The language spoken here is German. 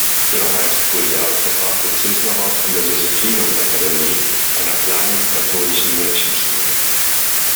Ihre Highschool-Jahre verbrachte Cisneros an der Josephinum Academy, einer kleinen katholischen Mädchenschule.